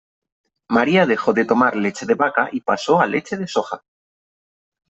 Maria dejó de tomar leche de vaca y pasó a leche de soja.